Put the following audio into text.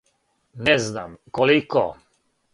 Не знам, колико?